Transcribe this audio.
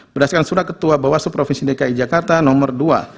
berdasarkan surat ketua bawaslu provinsi dki jakarta nomor dua